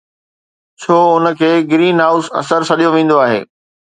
ڇو ان کي گرين هائوس اثر سڏيو ويندو آهي؟